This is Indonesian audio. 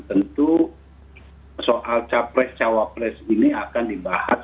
tentu soal capres cawapres ini akan dibahas